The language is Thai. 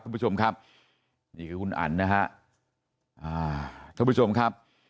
ทุกผู้ชมครับนี่คือคุณอันนะครับทุกผู้ชมครับ